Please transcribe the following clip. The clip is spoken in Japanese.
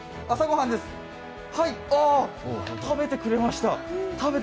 ああっ、食べてくれました。